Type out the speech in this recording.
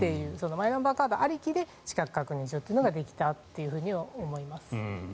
マイナンバーありきで資格確認書ができたと思います。